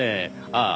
ああ！